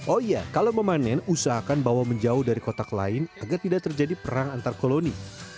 oh iya kalau memanen usahakan bawa menjauh dari kotak lain agar tidak terjadi perang antar koloni